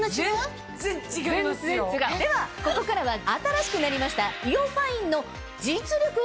ではここからは新しくなりました。